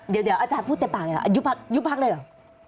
เดี๋ยวอาจารย์พูดแต่ปากหน่อยยุบพักได้หรือ